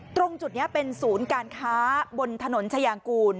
ตรงจุดนี้เป็นศูนย์การค้าบนถนนชายางกูล